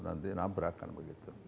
nanti nabrakan begitu